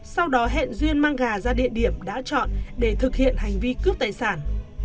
sau đó hẹn duyên mang gà ra địa điểm đã chọn để thực hiện hành vi cướp tài sản